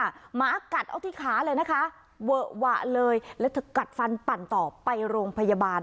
หมากัดเอาที่ขาเลยนะคะเวอะหวะเลยแล้วเธอกัดฟันปั่นต่อไปโรงพยาบาล